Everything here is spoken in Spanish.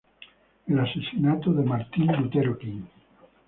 El asesinato de Martin Luther King, Jr.